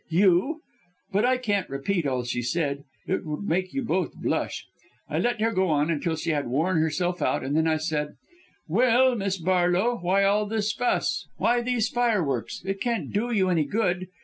You ' but I can't repeat all she said, it would make you both blush! I let her go on till she had worn herself out and then I said, 'Well, Miss Barlow, why all this fuss why these fireworks! It can't do you any good.